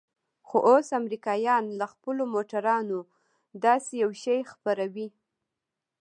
خو اوس امريکايان له خپلو موټرانو داسې يو شى خپروي.